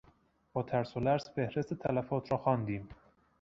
با ترس و لرز فهرست تلفات را خواندیم.